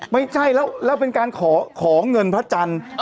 ไม่ใช่แล้วเป็นการขอเงินพระจันทร์